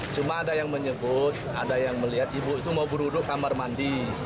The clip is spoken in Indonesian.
cuma ada yang menyebut ada yang melihat ibu itu mau beruduk kamar mandi